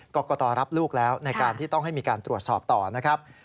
กรกตรับลูกแล้วในการที่ต้องให้มีการตรวจสอบต่อนะครับ